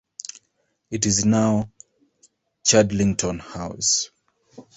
It is now Chadlington House.